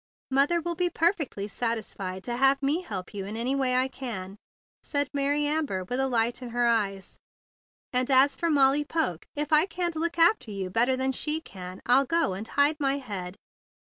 "Mother will be perfectly satisfied to have me help you in any way I can," said Mary Amber with a light in her eyes; "and as for Molly Poke, if I can't look after you better than she can, I'll go and hide my head.